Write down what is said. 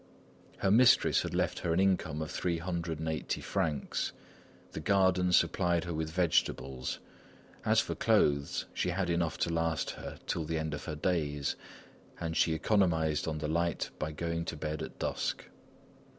Her mistress had left her an income of three hundred and eighty francs. The garden supplied her with vegetables. As for clothes, she had enough to last her till the end of her days, and she economised on the light by going to bed at dusk.